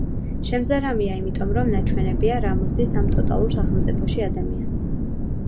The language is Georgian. შემზარავია იმიტომ რომ ნაჩვენებია რა მოსდის ამ ტოტალიტარულ სახელმწიფოში ადამიანს.